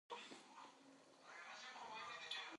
افغانستان په ځمکه باندې تکیه لري.